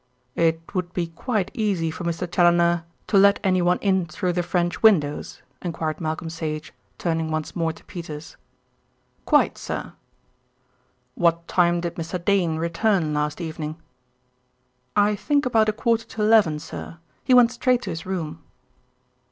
"It would be quite easy for Mr. Challoner to let anyone in through the French windows?" enquired Malcolm Sage, turning once more to Peters. "Quite, sir." "What time did Mr. Dane return last evening?" "I think about a quarter to eleven, sir. He went straight to his room."